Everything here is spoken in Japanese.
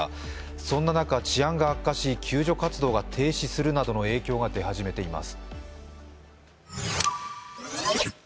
そんな中、治安が悪化し救助活動が停止するなどの影響が出ています。